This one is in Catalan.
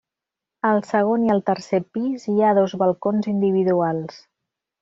Al segon i al tercer pis hi ha dos balcons individuals.